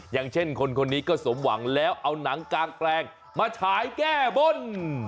อย่างเช่นคนคนนี้ก็สมหวังแล้วเอาหนังกางแปลงมาฉายแก้บน